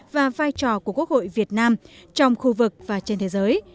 và vai trò của quốc hội việt nam trong khu vực và trên thế giới